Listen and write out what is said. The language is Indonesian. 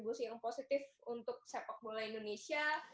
memberikan kontribusi yang positif untuk sepak bola indonesia